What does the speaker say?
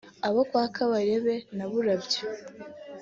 Abo kwa Kabarebe na Burabyo